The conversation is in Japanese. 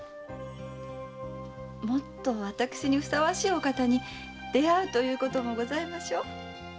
もっと私にふさわしいお方に出会うこともございましょう？